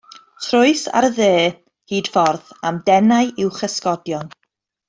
Trois ar y dde hyd ffordd a'm denai i'w chysgodion.